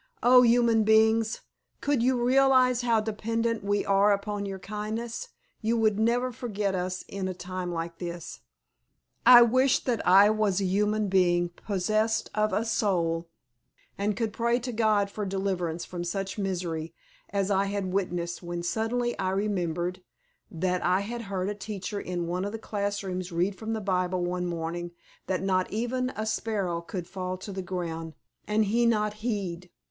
Oh, human beings! Could you realize how dependent we are upon your kindness, you would never forget us in a time like this. I wished that I was a human being possessed of a soul, and could pray to God for deliverance from such misery as I had witnessed, when suddenly I remembered that I had heard a teacher in one of the class rooms read from the Bible one morning that not even a sparrow could fall to the ground and He not heed.